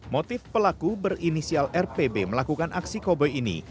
motif pelaku berinisial rpb melakukan aksi koboi ini